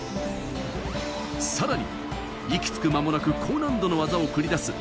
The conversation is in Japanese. さらに息つく間もなく高難度の技を繰り出す